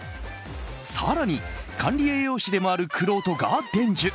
更に、管理栄養士でもあるくろうとが伝授